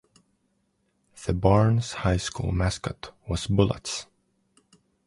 The Barnes High School mascot was Bullets.